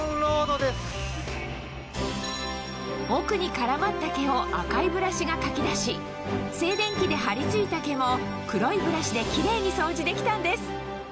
奥に絡まった毛を赤いブラシがかき出し静電気で張り付いた毛も黒いブラシでキレイに掃除できたんです